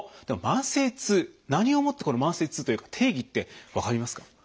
でも慢性痛何をもってこれ「慢性痛」というか定義って分かりますか？